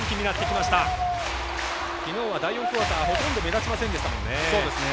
きのうは第４クオーターほとんど目立ちませんでしたね。